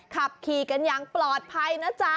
ขับขี่กันอย่างปลอดภัยนะจ๊ะ